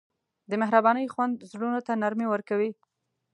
د مهربانۍ خوند زړونو ته نرمي ورکوي.